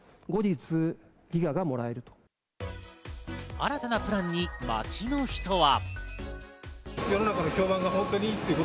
新たなプランに街の人は。